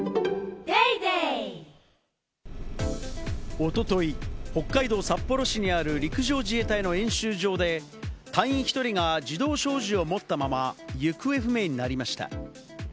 おととい、北海道札幌市にある陸上自衛隊の演習場で隊員１人が自動小銃を持ったまま行方不明になりました。